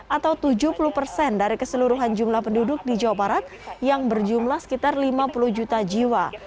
atau tujuh puluh persen dari keseluruhan jumlah penduduk di jawa barat yang berjumlah sekitar lima puluh juta jiwa